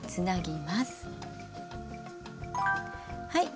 はい。